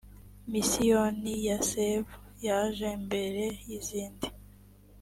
misiyoni ya save yajee mbere yizindi.